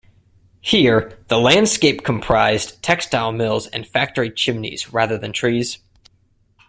Here the landscape comprised textile mills and factory chimneys rather than trees.